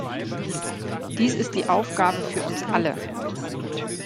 Dies ist die Aufgabe für uns alle.